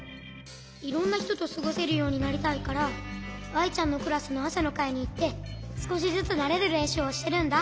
いろんなひととすごせるようになりたいからアイちゃんのクラスのあさのかいにいってすこしずつなれるれんしゅうをしてるんだ。